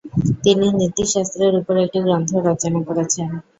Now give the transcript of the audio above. তিনি নীতিশাস্ত্রের উপর একটি গ্রন্থও রচনা করেছেন।